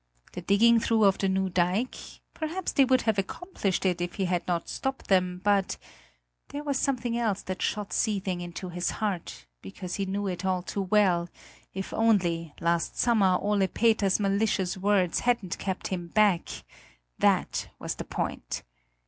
The digging through of the new dike perhaps they would have accomplished it, if he had not stopped them; but there was something else that shot seething into his heart, because he knew it all too well if only, last summer, Ole Peters's malicious words hadn't kept him back that was the point.